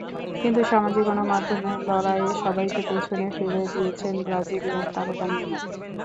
কিন্তু সামাজিক গণমাধ্যমের লড়াইয়ে সবাইকেই পেছনে ফেলে দিয়েছেন ব্রাজিলিয়ান তারকা নেইমার।